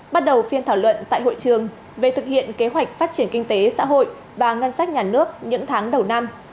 bắt đầu phiên thảo luận tại hội trường về thực hiện kế hoạch phát triển kinh tế xã hội và ngân sách nhà nước những tháng đầu năm